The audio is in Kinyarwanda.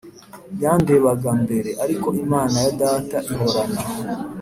yandebaga mbere ariko Imana ya data ihorana